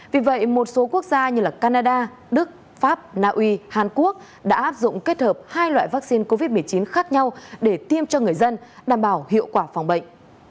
vì vậy một số quốc gia như canada đức pháp naui hàn quốc đã áp dụng kết hợp hai loại vaccine covid một mươi chín khác nhau để tiêm cho người dân đảm bảo hiệu quả phòng bệnh